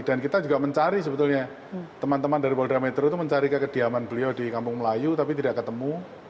dan kita juga mencari sebetulnya teman teman dari polda metro itu mencari kediaman beliau di kampung melayu tapi tidak ketemu